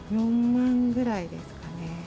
４万くらいですかね。